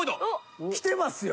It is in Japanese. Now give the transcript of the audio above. きてますよ。